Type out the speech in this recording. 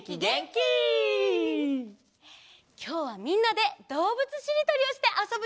きょうはみんなでどうぶつしりとりをしてあそぶよ！